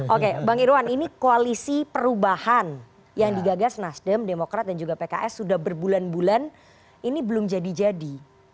oke bang irwan ini koalisi perubahan yang digagas nasdem demokrat dan juga pks sudah berbulan bulan ini belum jadi jadi